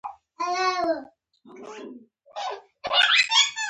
زما دوه زامن دي هر یو لکه عبدالمصویر او عبدالظهور.